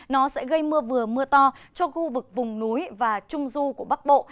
nó sẽ gây mưa vừa mưa to cho khu vực vùng núi và trung du của bắc bộ